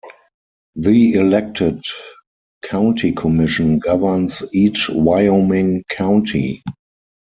The elected county commission governs each Wyoming county.